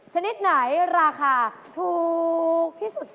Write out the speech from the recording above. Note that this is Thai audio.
ชนิดไหนราคาถูกพิสุทธิ์คะ